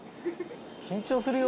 緊張するよ。